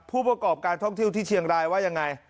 ผู้ประกอบการท่องเที่ยวที่เชียงรายว่ายังไง